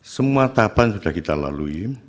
semua tahapan sudah kita lalui